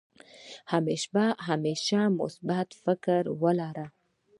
همېشه مثبت فکر ولره